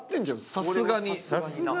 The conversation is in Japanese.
さすがに。